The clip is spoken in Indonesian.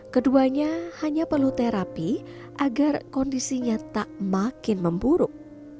keduanya hanya perlu terapi agar kondisinya tak makin memburuk